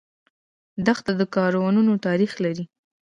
دښته د کاروانونو تاریخ لري.